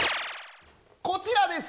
こちらです。